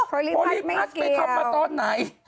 โพลิพัสไม่เกี่ยวโพลิพัสไปทำมาตอนไหน